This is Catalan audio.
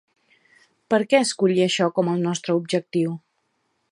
Per què escollir això com el nostre objectiu?